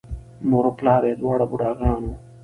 مور و پلار یې دواړه بوډاګان وو،